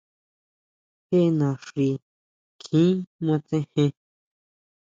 Jé naxi kjin matsejen.